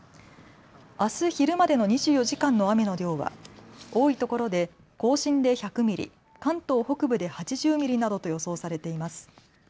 あす昼までの２４時間の雨の量は多いところで甲信で１００ミリ、関東北部で８０ミリなどと予想されています。